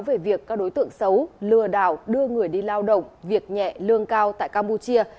về việc các đối tượng xấu lừa đảo đưa người đi lao động việc nhẹ lương cao tại campuchia